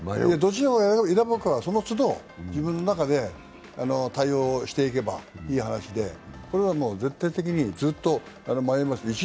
どちらを選ぶかは、そのつど自分の中で対応していけばいい話で、これはもう、絶対的にずっと迷います。